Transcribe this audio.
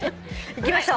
いきましょう。